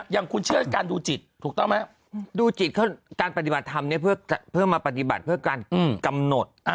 อย่างคุณเชื่อการดูจิตถูกต้องไหมดูจิตการปฏิบัติธรรมเพื่อมาปฏิบัติเพื่อการกำหนด